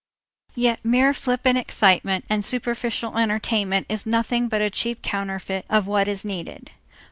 Yet mere flippant excitement and superficial entertainment is nothing but a cheap counterfeit of what is needed.